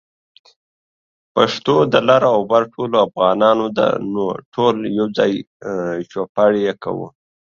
پښتو د لر او بر ټولو افغانانو ده، نو ټول يوځای چوپړ يې کوو